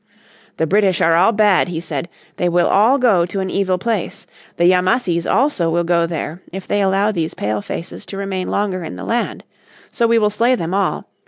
"The British are all bad," he said, "they will all go to an evil place. The Yamassees also will go there if they allow these Pale faces to remain longer in the land. So we will slay them all.